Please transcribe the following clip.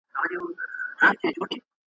بدبختي او استثمار یې تجربه کړل. د انګلیسي اشغال